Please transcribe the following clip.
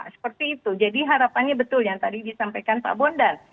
seperti itu jadi harapannya betul yang tadi disampaikan pak bondan